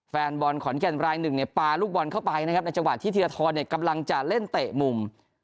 แฟนบอลขอนแก่นรายหนึ่งเนี่ยปลาลูกบอลเข้าไปนะครับในจังหวะที่ธีรทรกำลังจะเล่นเตะมุม